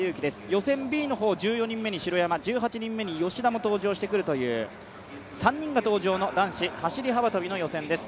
予選Ｂの方に日本の城山１８人目に吉田も登場してくるという３人が登場の男子走幅跳の予選です